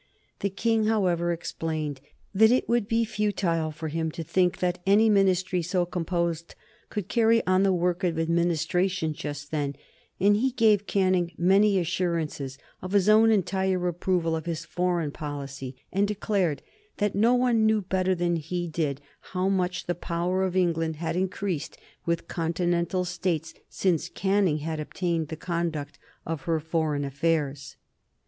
The King, however, explained that it would be futile for him to think that any Ministry so composed could carry on the work of administration just then, and he gave Canning many assurances of his own entire approval of his foreign policy, and declared that no one knew better than he did how much the power of England had increased with Continental States since Canning had obtained the conduct of her foreign affairs.